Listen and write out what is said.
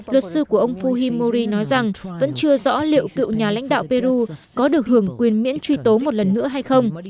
luật sư của ông fuhimori nói rằng vẫn chưa rõ liệu cựu nhà lãnh đạo peru có được hưởng quyền miễn truy tố một lần nữa hay không